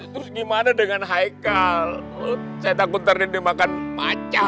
terus gimana dengan haikal saya takut nanti dia makan macan